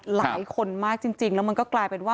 หลายคนมากจริงแล้วมันก็กลายเป็นว่า